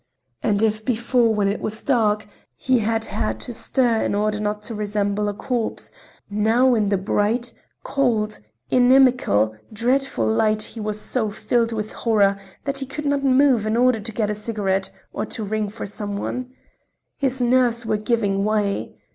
And if before, when it was dark, he had had to stir in order not to resemble a corpse, now in the bright, cold, inimical, dreadful light he was so filled with horror that he could not move in order to get a cigarette or to ring for some one. His nerves were giving way.